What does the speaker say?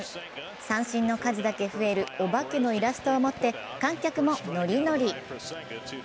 三振の数だけ増えるお化けのイラストを持って観客もノリノリ。